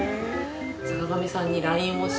坂上さんにＬＩＮＥをして。